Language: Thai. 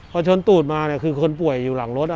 พอชนตูดมาคือคนป่วยอยู่หลังรถ